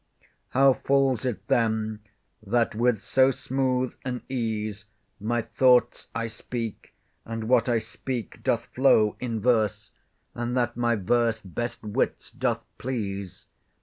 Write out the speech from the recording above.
How falls it then, that with so smooth an ease My thoughts I speak, and what I speak doth flow In verse, and that my verse best wits doth please?